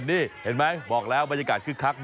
นี่เห็นไหมบอกแล้วบรรยากาศคึกคัก